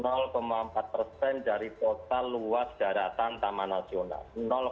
empat persen dari total luas daratan taman nasional